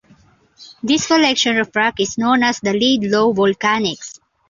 This collection of rocks is known as the Laidlaw Volcanics.